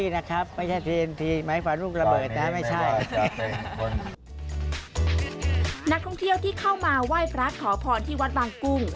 นักท่องเที่ยวที่เข้ามาไหว้พระขอพรที่วัดบางกุ้ง